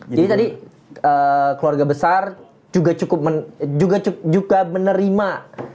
jadi tadi keluarga besar juga cukup menerima